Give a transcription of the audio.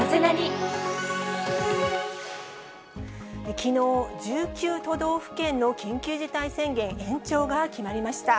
きのう、１９都道府県の緊急事態宣言延長が決まりました。